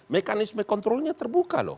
mekanisme kontrolnya terbuka loh